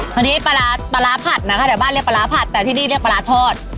คราวนี้ปลาร้าปลาร้าผัดนะคะแต่บ้านเรียกปลาร้าผัดแต่ที่นี่เรียกปลาร้าทอด